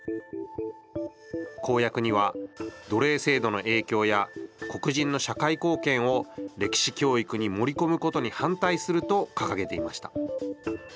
公約には、奴隷制度の影響や黒人の社会貢献を歴史教育に盛り込むことに反対すると掲げていました。